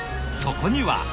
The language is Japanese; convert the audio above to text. そこには。